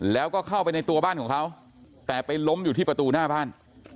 แล้วก็เข้าไปในตัวบ้านของเขาแต่ไปล้มอยู่ที่ประตูหน้าบ้าน